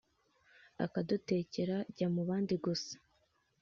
akadutekera jyamubandi gusa